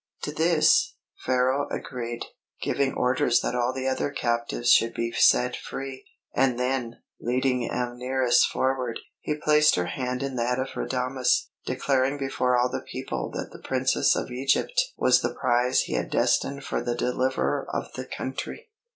To this, Pharaoh agreed, giving orders that all the other captives should be set free; and then, leading Amneris forward, he placed her hand in that of Radames, declaring before all the people that the Princess of Egypt was the prize he had destined for the deliverer of the country.